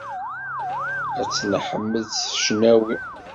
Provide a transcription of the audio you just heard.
Ad t-neḥmed s ccnawi!